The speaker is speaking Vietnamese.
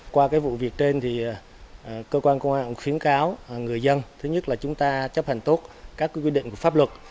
qua cái vụ việc trên thì cơ quan công an khuyến cáo người dân thứ nhất là chúng ta chấp hành tốt các quy định của pháp luật